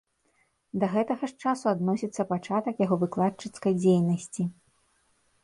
Да гэтага ж часу адносіцца пачатак яго выкладчыцкай дзейнасці.